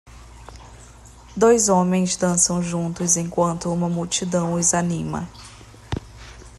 Dois homens dançam juntos enquanto uma multidão os anima